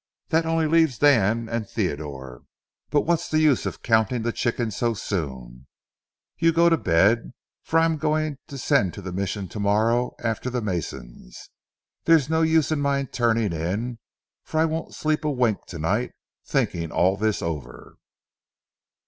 That only leaves Dan and Theodore. But what's the use of counting the chickens so soon? You go to bed, for I'm going to send to the Mission to morrow after the masons. There's no use in my turning in, for I won't sleep a wink to night, thinking all this over."